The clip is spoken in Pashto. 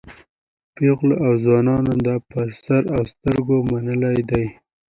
پېغلو او ځوانانو دا په سر او سترګو منلی دی.